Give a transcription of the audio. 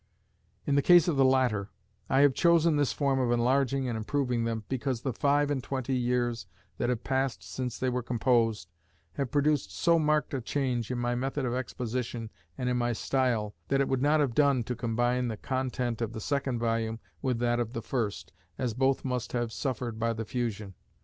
In the case of the latter, I have chosen this form of enlarging and improving them, because the five and twenty years that have passed since they were composed have produced so marked a change in my method of exposition and in my style, that it would not have done to combine the content of the second volume with that of the first, as both must have suffered by the fusion.